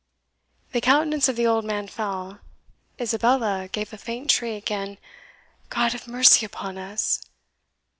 The countenance of the old man fell. Isabella gave a faint shriek, and, "God have mercy upon us!"